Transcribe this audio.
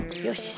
よし。